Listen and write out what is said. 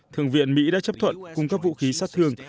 thượng viện mỹ đã chấp thuận cung cấp vũ khí sát thương